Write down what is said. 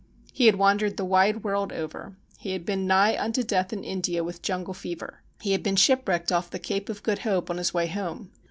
He had wandered the wide world over. He had been nigh unto death in India with jungle fever. He had been shipwrecked off the Cape of Good Hope on his way home.